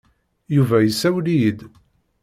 Yuba yessawel-iyi-d.